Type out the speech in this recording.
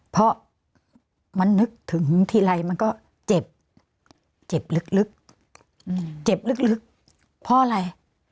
เพราะมันนึกถึงทีไรมันก็เจ็บเจ็บลึกเจ็บลึกเพราะอะไร